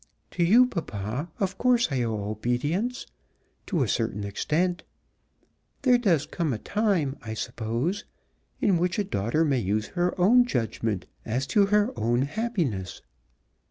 "To you, papa, of course I owe obedience, to a certain extent. There does come a time, I suppose, in which a daughter may use her own judgment as to her own happiness."